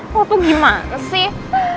lo tuh gimana sih